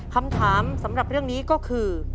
คำถามสำหรับเรื่องนี้ก็คือ